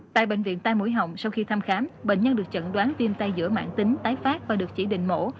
tại bệnh viện tai mũi họng sau khi thăm khám bệnh nhân được chẩn đoán viêm tay giữa mạng tính tái phát và được chỉ định mổ